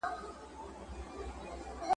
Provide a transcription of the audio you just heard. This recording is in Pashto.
هغه مړ ږدن ډنډ ته نږدې نه ګڼي.